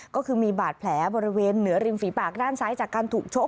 ก็คือมีบาดแผลบริเวณเหนือริมฝีปากด้านซ้ายจากการถูกชก